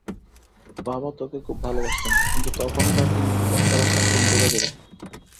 বাবা তোকে খুব ভালোবাসতেন, কিন্তু তখনকার দিনে কর্তারা থাকতেন দূরে দূরে।